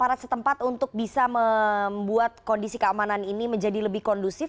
aparat setempat untuk bisa membuat kondisi keamanan ini menjadi lebih kondusif